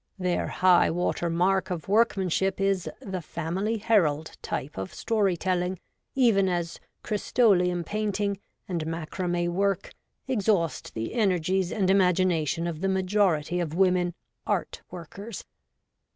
Their high water mark of workmanship is the Family Herald type of story telling, even as crystoleum painting and macram6 work exhaust the energies and imagination of the majority of women ' art ' workers.